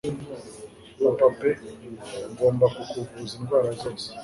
Papa pe ngomba kukuvuza indwara zose